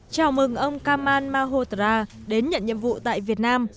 chào mừng ông kamal mahota đến nhận nhiệm vụ tại việt nam